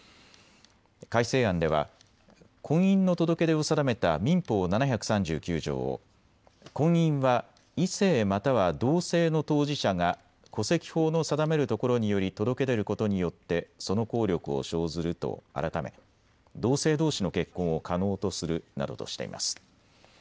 改正案では婚姻の届け出を定めた民法７３９条を婚姻は異性または同性の当事者が戸籍法の定めるところにより届け出ることによってその効力を生ずると改め同性どうしの結婚を可能とするなどとしています。